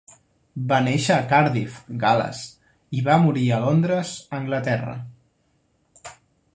Va néixer a Cardiff, Gal·les, i va morir a Londres, Anglaterra.